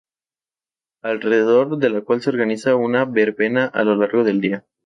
Alrededor de la cual se organiza una verbena a lo largo del día.